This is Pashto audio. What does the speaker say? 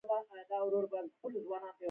سکلیټ د بدن د عضلو د محور او ټینګېدو ځای دی.